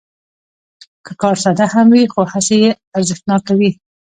که کار ساده هم وي، خو هڅې یې ارزښتناکوي.